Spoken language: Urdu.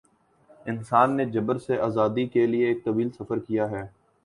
انسان نے جبر سے آزادی کے لیے ایک طویل سفر کیا ہے۔